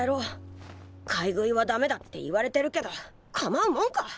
買い食いはダメだって言われてるけど構うもんか！